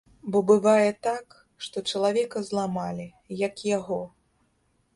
Бо бывае так, што чалавека зламалі, як яго.